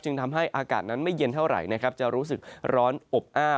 จึงทำให้อากาศนั้นไม่เย็นเท่าไหร่นะครับ